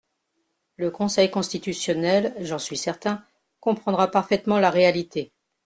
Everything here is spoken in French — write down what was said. Le Conseil constitutionnel, j’en suis certain, comprendra parfaitement la réalité.